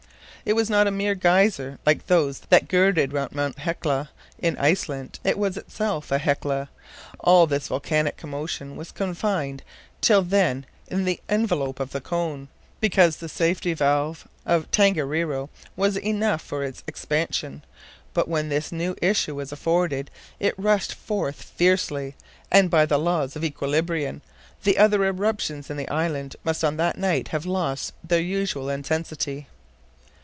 It was not a mere geyser like those that girdle round Mount Hecla, in Iceland, it was itself a Hecla. All this volcanic commotion was confined till then in the envelope of the cone, because the safety valve of Tangariro was enough for its expansion; but when this new issue was afforded, it rushed forth fiercely, and by the laws of equilibrium, the other eruptions in the island must on that night have lost their usual intensity.